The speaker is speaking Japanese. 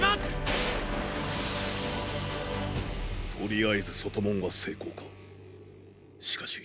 とりあえず外門は成功か。